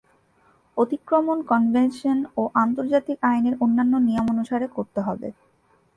অতিক্রমণ convention ও আন্তর্জাতিক আইনের অন্যান্য নিয়মানুসারে করতে হবে।